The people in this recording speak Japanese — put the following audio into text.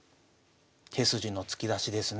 手筋の突き出しですね。